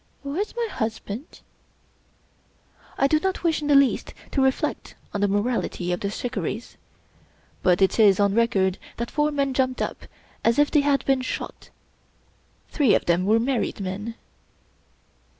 "Where's my husband?" I do not wish in the least to reflect on the morality of the ^* Shikarris "; but it is on record that four men jumped up as if they had been shot. Three of them were married men.